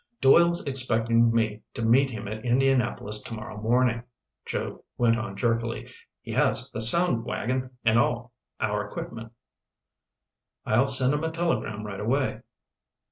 "Doyle's expecting me to meet him at Indianapolis tomorrow morning," Joe went on jerkily. "He has the sound wagon and all our equipment." "I'll send him a telegram right away."